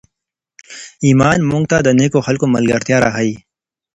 ایمان موږ ته د نېکو خلکو ملګرتیا راښیي.